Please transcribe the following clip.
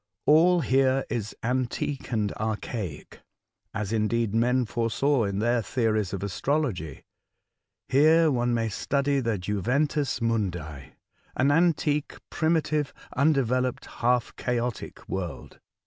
All here is antique and archaic, as, indeed, men foresaw in their theories of astrology. Here one may study the juventus nnundi — an antique, primitive, undeveloped, half chaotic world."